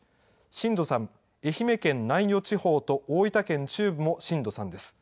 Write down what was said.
震度３、愛媛県南予地方と大分県中部も震度３です。